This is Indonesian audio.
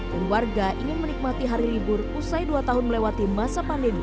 warga ingin menikmati hari libur usai dua tahun melewati masa pandemi